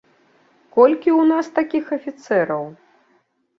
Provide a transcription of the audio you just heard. Колькі ў нас такіх афіцэраў?